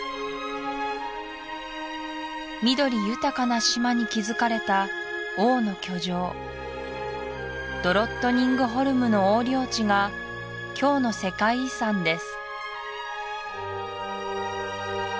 緑豊かな島に築かれた王の居城ドロットニングホルムの王領地が今日の世界遺産です